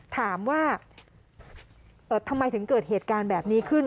ถามว่าทำไมถึงเกิดเหตุการณ์แบบนี้ขึ้น